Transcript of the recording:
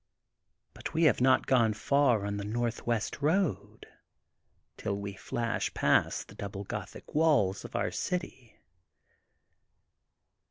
But we have not gone far on the Great Northwest Boad till we flash past the Gothic double walls of our city.